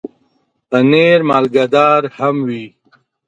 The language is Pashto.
پنېر مالګهدار هم وي.